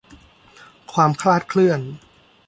ความคลาดเคลื่อน